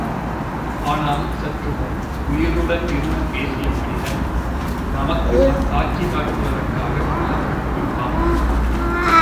ஆனால், சற்றுமுன் உயிருடனிருந்து பேசிய மனிதன், நமக்கு அத்தாட்சி காட்டுவதற்காகக் கொல்லப்பட்டுவிட்டான்.